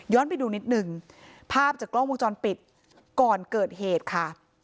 ไปดูนิดนึงภาพจากกล้องวงจรปิดก่อนเกิดเหตุค่ะ